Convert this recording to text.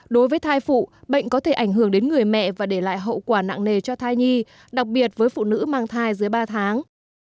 đối với thai phụ bệnh có thể ảnh hưởng đến người mẹ và để lại hậu quả nặng nề cho thai nhi đặc biệt với phụ nữ mang thai dưới ba tháng